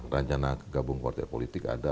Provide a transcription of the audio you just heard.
rencana kegabung ke partai politik ada